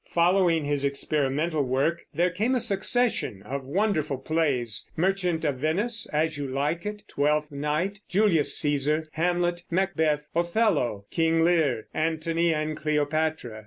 Following his experimental work there came a succession of wonderful plays, _Merchant of Venice, As You Like It, Twelfth Night, Julius Cæsar, Hamlet, Macbeth, Othello, King Lear, Antony and Cleopatra_.